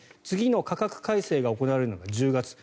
次の価格改正が行われるのが１０月。